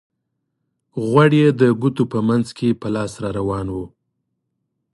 غوړ یې د ګوتو په منځ کې په لاس را روان وو.